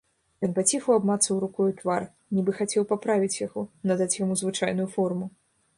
Ён паціху абмацаў рукою твар, нібы хацеў паправіць яго, надаць яму звычайную форму.